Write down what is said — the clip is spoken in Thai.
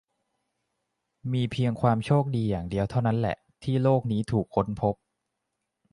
มีเพียงความโชคดีอย่างเดียวเท่านั้นแหละ ที่โลกนี้ถูกค้นพบ